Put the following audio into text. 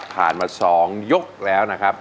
ผ่านมาสองยกแล้วนะครับ